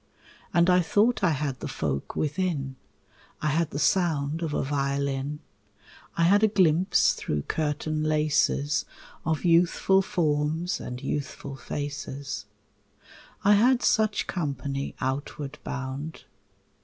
And I thought I had the folk within: I had the sound of a violin; I had a glimpse through curtain laces Of youthful forms and youthful faces. I had such company outward bound.